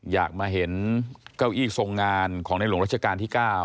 อยากมาเห็นเก้าอี้ทรงงานของในหลวงรัชกาลที่๙